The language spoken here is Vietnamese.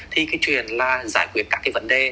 thì chuyện là giải quyết các vấn đề